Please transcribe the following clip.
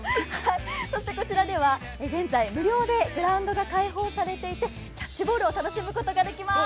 こちらでは現在、無料でグラウンドが開放されていてキャッチボールを楽しむことができます。